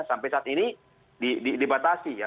sampai saat ini dibatasi ya